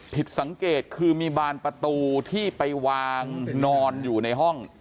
ผิดสังเกตคือมีบานประตูที่ไปวางนอนอยู่ในห้อง